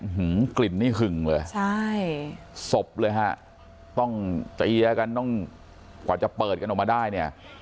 อื้อหือกลิ่นนี่ขึ่งเลยสบเลยฮะต้องเจี๊ยกันกว่าจะเปิดกันออกมาได้เนี่ย